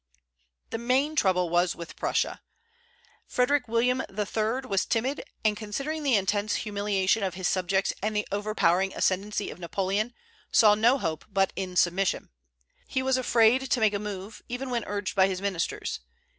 The main trouble was with Prussia. Frederick William III. was timid, and considering the intense humiliation of his subjects and the overpowering ascendency of Napoleon, saw no hope but in submission. He was afraid to make a move, even when urged by his ministers.